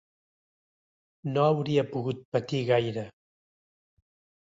No hauria pogut patir gaire.